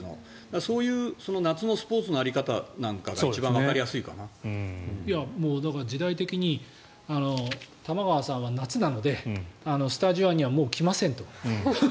そういう夏のスポーツの在り方なんかが時代的に玉川さんは夏なのでスタジオにはもう来ませんと。